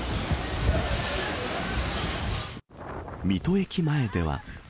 水戸駅前では。